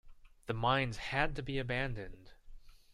The mines had to be abandoned.